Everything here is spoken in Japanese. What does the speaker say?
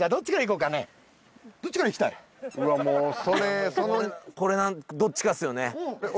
これどっちかっすよね？